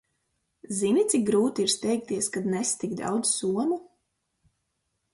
Zini, cik grūti ir steigties, kad nes tik daudz somu?